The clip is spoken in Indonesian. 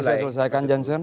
bisa saya selesaikan janser